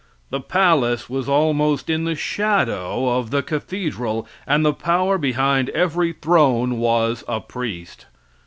The palace was almost in the shadow of the cathedral, and the power behind every throne was a priest.